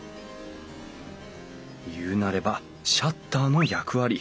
言うなればシャッターの役割。